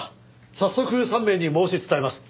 早速３名に申し伝えます。